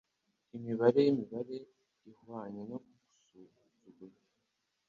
Imibare yimibare ihwanye no gusuzugura